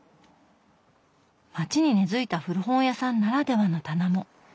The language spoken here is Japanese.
街に根づいた古本屋さんならではの棚も。